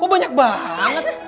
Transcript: kok banyak banget